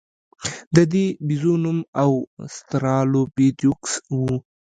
د دې بیزو نوم اوسترالوپیتکوس و.